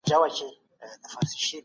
د کابل په صنعت کي د پرمختګ لوری څه دی؟